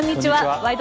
「ワイド！